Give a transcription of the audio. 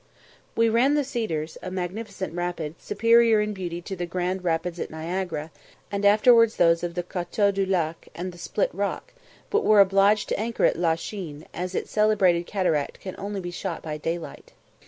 We ran the Cedars, a magnificent rapid, superior in beauty to the Grand Rapids at Niagara, and afterwards those of the Côteau du Lac and the Split Rock, but were obliged to anchor at La Chine, as its celebrated cataract can only be shot by daylight.